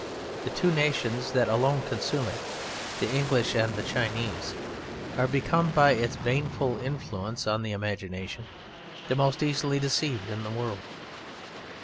The two nations that alone consume it the English and the Chinese are become, by its baneful influence on the imagination, the most easily deceived in the world.